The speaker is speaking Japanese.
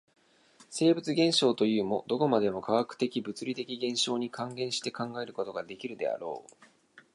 生物現象というも、どこまでも化学的物理的現象に還元して考えることができるであろう。